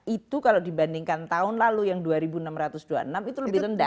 itu kalau dibandingkan tahun lalu yang dua enam ratus dua puluh enam itu lebih rendah